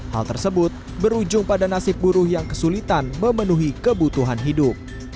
hal tersebut berujung pada nasib buruh yang kesulitan memenuhi kebutuhan hidup